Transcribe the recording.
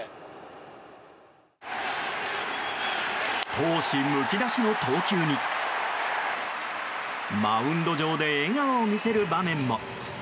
闘志むき出しの投球にマウンド上で笑顔を見せる場面も。